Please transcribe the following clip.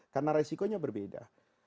karena resikonya berbeda